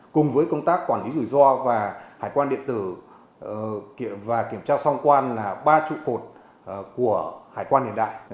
cùng với công tác quản lý rủi ro và hải quan điện tử và kiểm tra sau thông quan là ba trụ cột của hải quan hiện đại